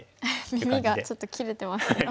耳がちょっと切れてますが。